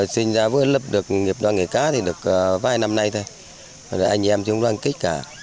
sinh ra với lập được nghiệp đoàn nghề cá thì được vài năm nay thôi anh em chúng loan kích cả